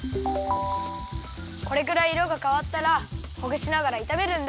これくらいいろがかわったらほぐしながらいためるんだ！